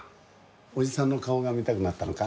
おじさんの顔が見たくなったのか？